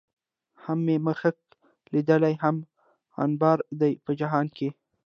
هم مې مښک ليدلي، هم عنبر دي په جهان کې